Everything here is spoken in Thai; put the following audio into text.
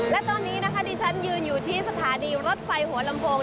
และตอนนี้นะคะดิฉันยืนอยู่ที่สถานีรถไฟหัวลำโพง